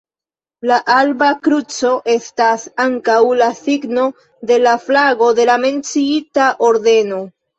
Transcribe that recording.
La alba kruco estas ankaŭ la signo kaj la flago de la menciita ordeno.